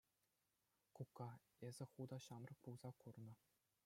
Кукка, эсӗ ху та ҫамрӑк пулса курнӑ.